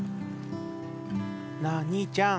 なあ兄ちゃん。